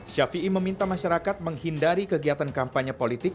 syafi'i meminta masyarakat menghindari kegiatan kampanye politik